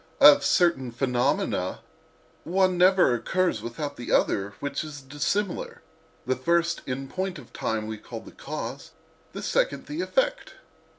Of certain phenomena, one never occurs without another, which is dissimilar: the first in point of time we call cause, the second, effect.